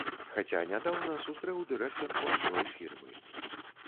Хаця нядаўна сустрэў дырэктарку адной фірмы.